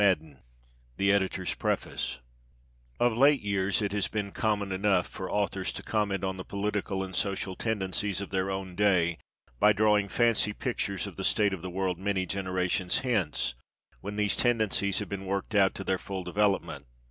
Finis 101 THE EDITOR'S PREFACE OF late years it has been common enough for authors to comment on the political and social tendencies of their own day, by drawing fancy pictures of the state of the world many generations hence, when these tendencies have been worked out to their full develop ment.